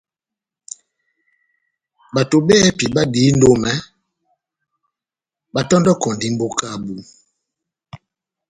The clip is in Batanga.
Bato bɛ́hɛ́pi badiyidi omɛ batɔndɔkɔndi mbóka yabu.